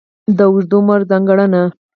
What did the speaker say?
د اوږد عمر ځانګړنه.